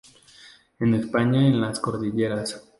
En España en las cordilleras.